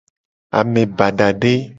Ame badade.